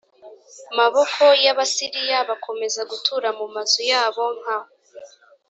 maboko y abasiriya bakomeza gutura mu mazu yabo nka